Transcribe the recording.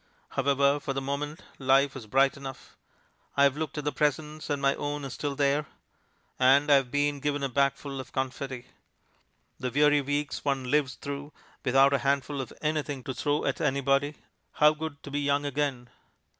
However, for the moment life is bright enough. I have looked at the presents and my own is still there. And I have been given a bagful of confetti. The weary weeks one lives through without a handful of anything to throw at anybody. How good to be young again.